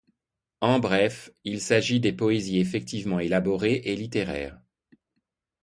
En bref, il s'agit des poésies effectivement élaborées et littéraires.